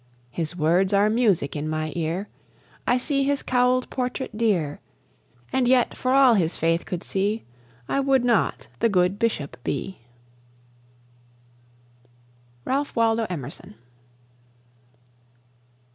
His words are music in my ear, I see his cowlèd portrait dear; And yet, for all his faith could see, I would not the good bishop be. RALPH WALDO EMERSON.